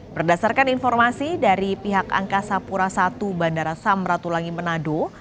berdasarkan informasi dari pihak angkasa pura i bandara samratulangi manado